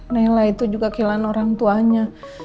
nilai itu juga kehilangan orang tuanya